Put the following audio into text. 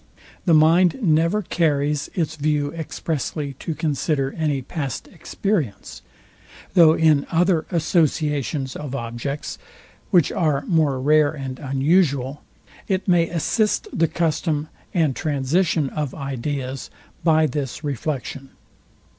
the mind never carries its view expressly to consider any past experience: Though in other associations of objects, which are more rare and unusual, it may assist the custom and transition of ideas by this reflection.